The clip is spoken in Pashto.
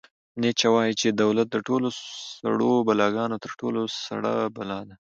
نیچه وایي چې دولت د ټولو سړو بلاګانو تر ټولو سړه بلا ده.